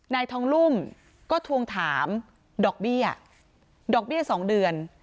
นายทองลุ่มก็ทวงถามดอกเบี้ยดอกเบี้ย๒เดือน